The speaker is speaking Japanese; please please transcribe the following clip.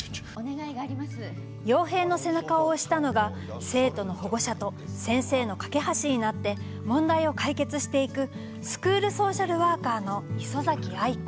陽平の背中を押したのが生徒の保護者と先生の懸け橋になって、問題を解決していくスクールソーシャルワーカーの磯崎藍子。